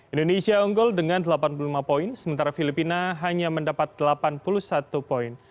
indonesia unggul dengan delapan puluh lima poin sementara filipina hanya mendapat delapan puluh satu poin